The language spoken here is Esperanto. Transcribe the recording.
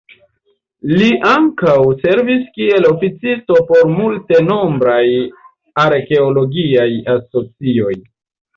Li ankaŭ servis kiel oficisto por multenombraj arkeologiaj asocioj.